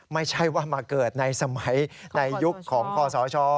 ไม่ใช่ว่ามาเกิดในสมัยในยุคของคอสช